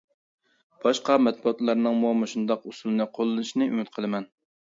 باشقا مەتبۇئاتلارنىڭمۇ مۇشۇنداق ئۇسۇلنى قوللىنىشىنى ئۈمىد قىلىمەن.